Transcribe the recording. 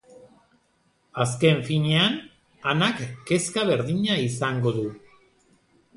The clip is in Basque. Azken finean, Anak kezka berdina izango du.